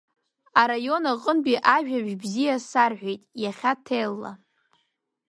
Араион аҟынтәи ажәабжь бзиа сарҳәеит иахьа ҭелла.